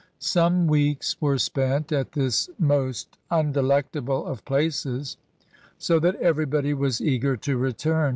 Some weeks were spent at this most undelectable of places, so that everybody was eager to return.